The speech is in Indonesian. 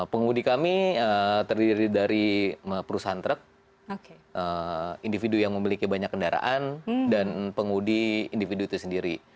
pengundi kami terdiri dari perusahaan truk individu yang memiliki banyak kendaraan dan pengundi individu itu sendiri